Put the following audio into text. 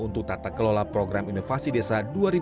untuk tata kelola program inovasi desa dua ribu dua puluh